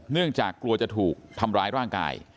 เนื่องจากกลัวจะถูกทำร้ายร่างกาย